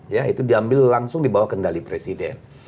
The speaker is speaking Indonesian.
ya itu diambil langsung di bawah kendali presiden